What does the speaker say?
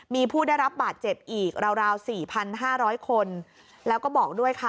มีผู้ได้รับบาดเจ็บอีกราวราวสี่พันห้าร้อยคนแล้วก็บอกด้วยค่ะ